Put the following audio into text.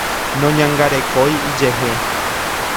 Noñangarekói ijehe.